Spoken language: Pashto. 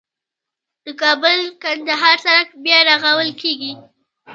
د کابل - کندهار سړک بیا رغول کیږي